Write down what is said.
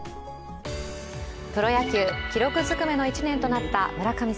プロ野球、記録ずくめの１年となった村神様